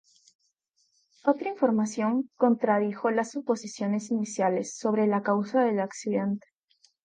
Otra información contradijo las suposiciones iniciales sobre la causa del incidente.